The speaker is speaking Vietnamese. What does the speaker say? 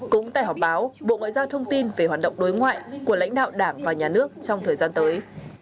cũng tại họp báo bộ ngoại giao thông tin về hoạt động đối ngoại của lãnh đạo đảng và nhà nước trong thời gian tới